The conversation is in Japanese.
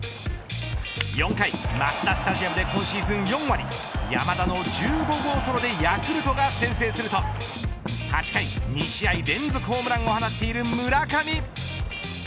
４回マツダスタジアムで今シーズン４割山田の１５号ソロでヤクルトが先制すると８回、２試合連続でホームランを放っている村上。